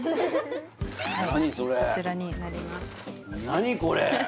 何これ？